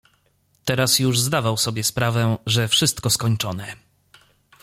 "Teraz już zdawał sobie sprawę, że wszystko skończone."